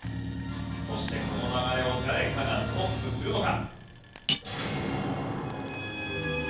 そしてこの流れを誰かがストップするのか？